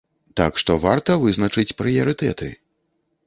Так што варта вызначаць прыярытэты.